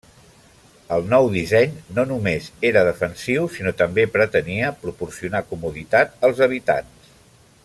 El nou disseny no només era defensiu, sinó també pretenia proporcionar comoditat als habitants.